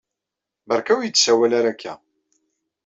Berka ur yi-d-sawal ara akka.